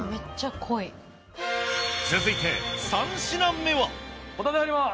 続いて３品目は？